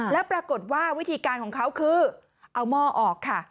แล้วปรากฏว่าวิธีการของเขาคือเอาหม้อออกค่ะ